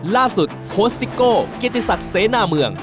ล่าสุดโคสติโก้กิจิศักดิ์เซนาเมือง